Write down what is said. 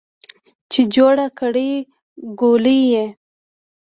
چې جوړه کړې ګولۍ یې